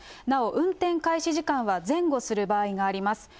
なお運転開始時間は前後する場合があります。